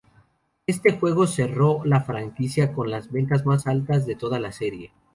Este juego cerró la franquicia con las ventas más altas de toda la serie.